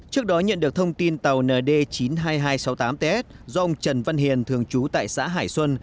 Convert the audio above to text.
trước đó nhận được thông tin tàu nd chín trăm hai mươi hai sáu mươi tám ts do ông trần văn hiền thường trú tại xã hải xuân